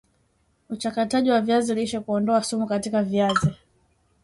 uchakataji wa viazi lishe Kuondoa sumu katika viazi